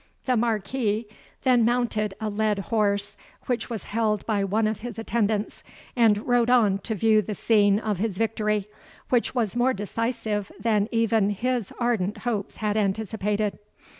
The Marquis then mounted a led horse, which was held by one of his attendants, and rode on to view the scene of his victory, which was more decisive than even his ardent hopes had anticipated.